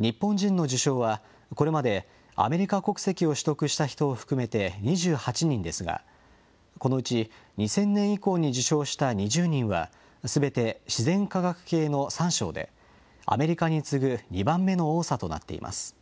日本人の受賞は、これまで、アメリカ国籍を取得した人を含めて２８人ですが、このうち２０００年以降に受賞した２０人は、すべて自然科学系の３賞で、アメリカに次ぐ２番目の多さとなっています。